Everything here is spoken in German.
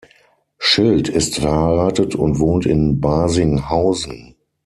Schild ist verheiratet und wohnt in Barsinghausen.